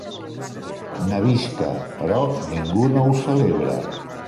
Nevisca, però ningú no ho celebra.